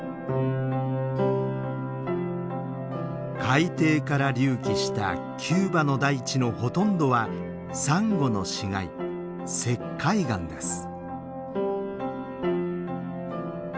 海底から隆起したキューバの大地のほとんどはサンゴの死骸石灰岩です。